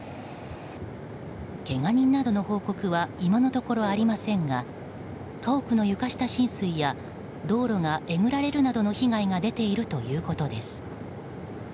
けが人などの報告は今のところありませんが家屋の床下浸水や道路がえぐられるなどの被害が出ているということです。